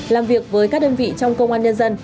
làm việc với các đơn vị trong công an nhân dân